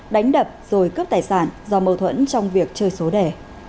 đánh đập rồi cướp tài sản do mâu thuẫn trong việc chơi số đẻ